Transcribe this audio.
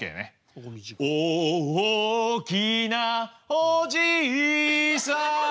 おおきなおじいさん